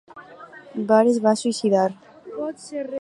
Var es va suïcidar.